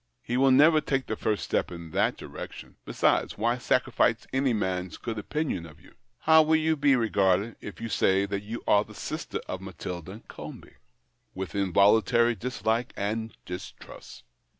'' He will never take the first step in that direction. Besides, why sacrifice any man's good opinion of you ? How will you be regarded if you say that you are the sister of Matilda Comby ? With involuntary dis like and distrust."